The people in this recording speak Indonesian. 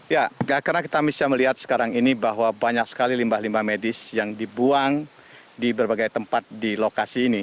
ya karena kita bisa melihat sekarang ini bahwa banyak sekali limbah limbah medis yang dibuang di berbagai tempat di lokasi ini